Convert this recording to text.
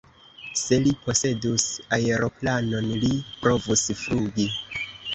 Se li posedus aeroplanon, li provus flugi.